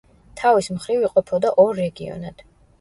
თავის მხრივ იყოფოდა ორ რეგიონად.